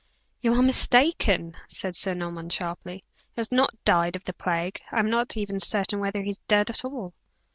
"You are mistaken!" said Sir Norman sharply, "he has not died of the plague. I am not even certain whether he is dead at all."